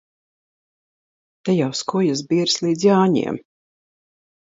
Te jau skujas birs līdz Jāņiem.